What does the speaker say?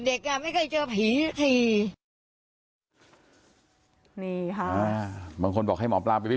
เด็กไม่เคยเจอผี